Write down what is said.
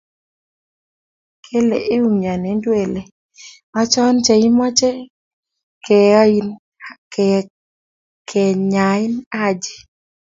Kele iumnyoni ndwele anchon che imeche kenyain Haji.